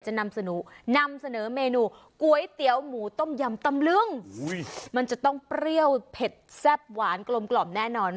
นำเสนอเมนูก๋วยเตี๋ยวหมูต้มยำตำลึงมันจะต้องเปรี้ยวเผ็ดแซ่บหวานกลมกล่อมแน่นอน